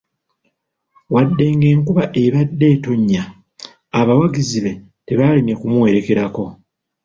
Wadde ng'enkuba ebadde etonnya, abawagizi be tebalemye kumuwerekerako.